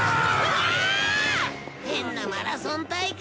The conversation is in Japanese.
変なマラソン大会。